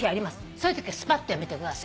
「そういうときはすぱっとやめてください」